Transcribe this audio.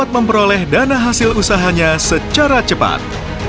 memperoleh dana hasil usahanya secara cepat